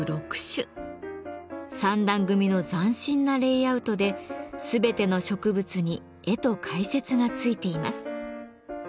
３段組みの斬新なレイアウトで全ての植物に絵と解説が付いています。